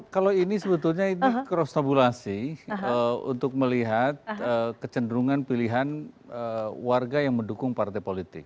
kalau ini sebetulnya ini cross tabulasi untuk melihat kecenderungan pilihan warga yang mendukung partai politik